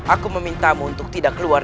aku memintamu untuk tidak keluar